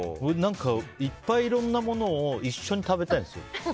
いっぱい、いろんなものを一緒に食べたいんですよ。